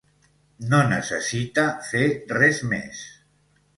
No necessita fer res més.